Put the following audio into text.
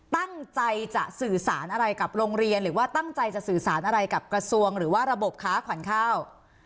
ตั้งใจจะสื่อสารอะไรกับโรงเรียนหรือว่าตั้งใจจะสื่อสารอะไรกับกระทรวงหรือว่าระบบค้าขวัญข้าว